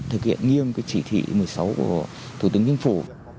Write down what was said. thực hiện nghiêm cái chỉ thị một mươi sáu của thủ tướng chính phủ